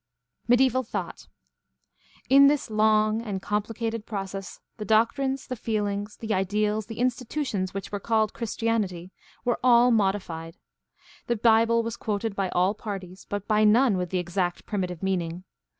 Mediaeval thought. — In this long and complicated process the doctrines, the feelings, the ideals, the institutions which were called " Christianity," were all modified. The Bible was quoted by all parties, but by none with the exact primitive meaning.